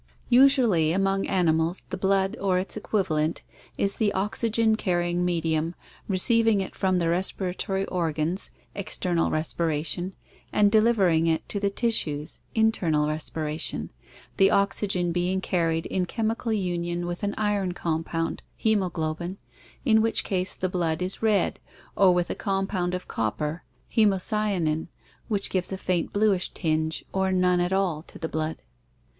Usually among animals the blood or its equivalent is the oxygen carrying medium, receiving it from the respiratory organs (external respiration) and delivering it to the tissues (internal respiration), the oxygen being carried in chemical union with an iron compound, haemoglobin, in which case the blood is red, or with a compound of copper, haemocyanin, which gives a faint bluish tinge or none at all to the blood.